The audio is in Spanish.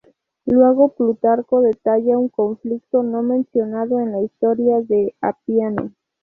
Luego Plutarco detalla un conflicto no mencionado en la historia de Apiano.